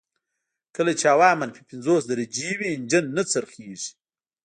کله چې هوا منفي پنځوس درجې وي انجن نه څرخیږي